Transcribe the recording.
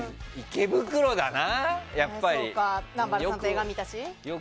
池袋だな、やっぱり。